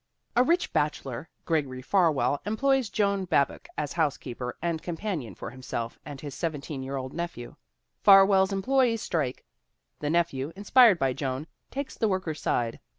A rich bachelor, Gregory Farwell, employs Joan Babcock as housekeeper and companion for him self and his 1 7 year old nephew. Farwell's employees strike; the nephew, inspired by Joan, takes the work ers' side.